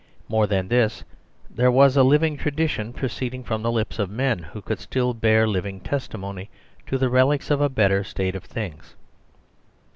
More than this, there was a living tradition proceeding from the lips of men who couldstill bear living testimony to therelics of abetter state of things.